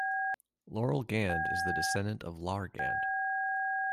Laurel Gand is the descendant of Lar Gand.